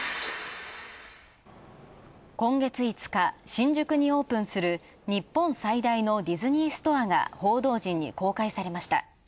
今月５日、新宿にオープンする日本最大のディズニーストアが報道陣に公開されました。